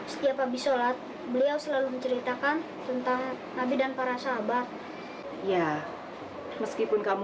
setiap habis sholat beliau selalu menceritakan tentang nabi dan para sahabat ya meskipun kamu